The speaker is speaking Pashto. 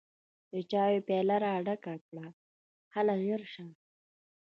د چايو پياله راډکه کړه هله ژر شه!